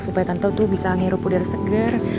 supaya tante tuh bisa ngiru pudera segar